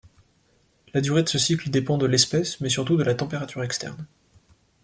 La durée de ce cycle dépend de l'espèce, mais surtout de la température externe.